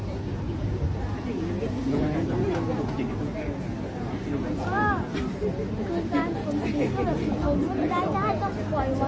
เข้ามาให้ก่อนและเป็นสิ่งที่ไม่ให้คุณรู้